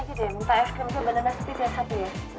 minta es krim itu banana setiap satu ya